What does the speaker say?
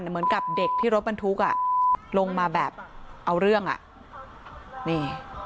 เหมือนกับเด็กที่รถบรรทุกอ่ะลงมาแบบเอาเรื่องอ่ะนี่